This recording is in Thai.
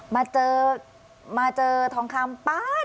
มาเจอมาเจอทองคำป๊าด